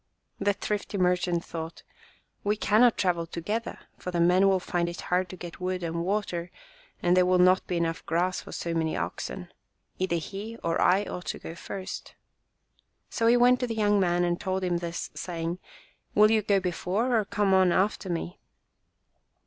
The thrifty merchant thought, "We cannot travel together, for the men will find it hard to get wood and water, and there will not be enough grass for so many oxen. Either he or I ought to go first." So he went to the young man and told him this, say ing, "Will you go before or come on after me